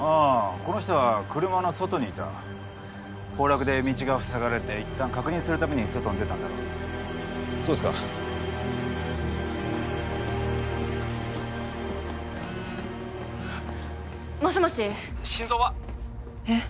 この人は車の外にいた崩落で道が塞がれていったん確認するために外に出たんだろうそうですかもしもし心臓は？えっ？